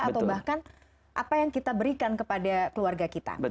atau bahkan apa yang kita berikan kepada keluarga kita